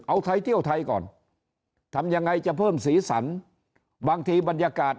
เอาไทยเที่ยวไทยก่อนทำยังไงจะเพิ่มสีสันบางทีบรรยากาศ